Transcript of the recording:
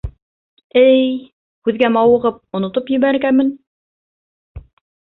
Эй, һүҙгә мауығып онотоп ебәргәнмен.